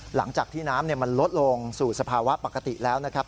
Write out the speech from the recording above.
หลังจากที่น้ำมันลดลงสู่สภาวะปกติแล้วนะครับ